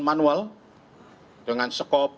manual dengan skop